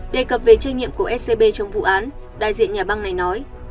đề cập về trách nhiệm của scb trong vụ án đại diện nhà băng này nói